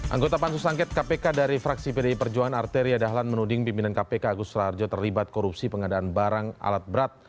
anggota pansus angket kpk dari fraksi pdi perjuangan arteria dahlan menuding pimpinan kpk agus raharjo terlibat korupsi pengadaan barang alat berat